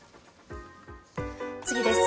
次です。